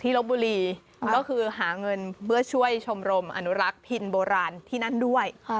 ลบบุรีก็คือหาเงินเพื่อช่วยชมรมอนุรักษ์พินโบราณที่นั่นด้วย